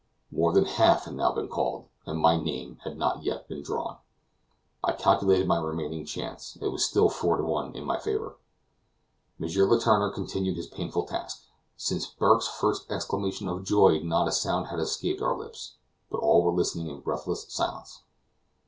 More than half had now been called, and my name had not yet been drawn. I calculated my remaining chance; it was still four to one in my favor. M. Letourneur continued his painful task. Since Burke's first exclamation of joy not a sound had escaped our lips, but all were listening in breathless silence.